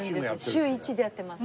週１でやってます。